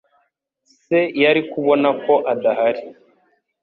Se yari kubona ko adahari.